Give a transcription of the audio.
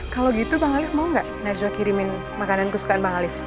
kalau gitu bang alief mau gak najwa kirimin makanan kesukaan bang alief